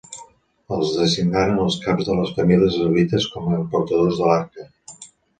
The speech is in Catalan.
Es designaren els caps de les famílies levites com a portadors de l'Arca.